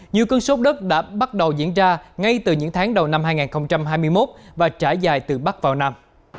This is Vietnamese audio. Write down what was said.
nhiều cơn sốt đất đã bắt đầu diễn ra ngay từ những tháng đầu năm hai nghìn hai mươi một và trải dài từ bắc vào nam